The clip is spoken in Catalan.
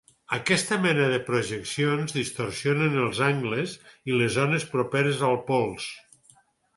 Aquesta mena de projeccions distorsionen els angles i les zones properes als pols.